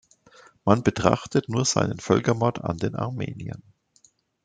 Man betrachte nur seinen Völkermord an den Armeniern.